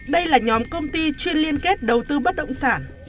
đây là nhóm công ty chuyên liên kết đầu tư bất động sản